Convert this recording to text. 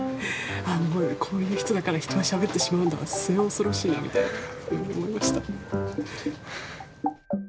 こういう人だから人はしゃべってしまうんだ末恐ろしいなみたいなふうに思いました。